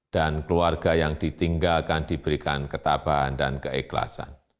keluarga yang ditinggalkan diberikan ketabahan dan keikhlasan